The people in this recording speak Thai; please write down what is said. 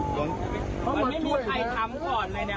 มันไม่มีใครทำก่อนเลยนะ